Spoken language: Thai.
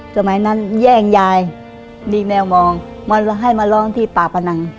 สมัยนั้นแย่งยายดีแมวมองมาให้มาร้องที่ป่าพนัง